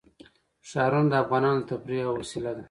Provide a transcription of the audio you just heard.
ښارونه د افغانانو د تفریح یوه وسیله ده.